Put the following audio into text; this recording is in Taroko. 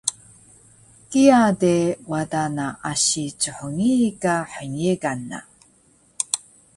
kiya de wada na asi chngii ka hnyegan na